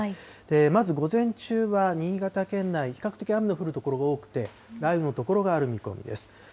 まず午前中は新潟県内、比較的、雨の降る所が多くて、雷雨の所がある見込みです。